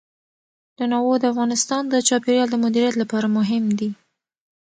تنوع د افغانستان د چاپیریال د مدیریت لپاره مهم دي.